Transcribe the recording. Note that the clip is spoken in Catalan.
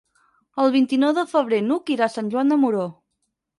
El vint-i-nou de febrer n'Hug irà a Sant Joan de Moró.